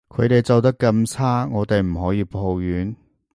佢哋做得咁差，我哋唔可以抱怨？